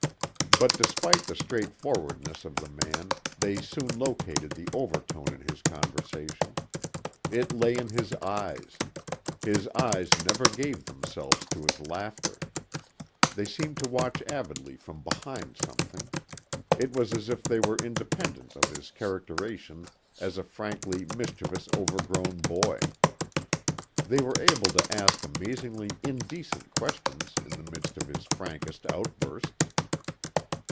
But despite the straightforwardness of the man they soon located the overtone in his conversation. It lay in his eyes. His eyes never gave themselves to his laughter. They seemed to watch avidly from behind something. It was as if they were independent of his characterization as a frankly mischievous overgrown boy. They were able to ask amazingly indecent questions in the midst of his frankest outbursts.